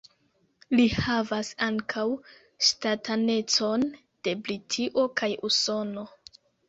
Li havas ankaŭ ŝtatanecon de Britio kaj Usono.